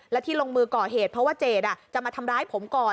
และที่ลงมือก่อเหตุเพราะว่าเจดจะมาทำร้ายผมก่อน